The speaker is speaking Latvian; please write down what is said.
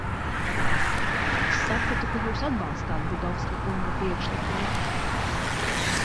Es sapratu, ka jūs atbalstāt Budovska kunga priekšlikumu.